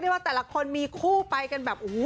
แต่ละคนมีคู่ไปกันแบบ